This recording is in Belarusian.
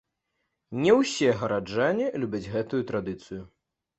Не ўсе гараджане любяць гэтую традыцыю.